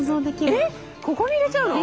えっここに入れちゃうの？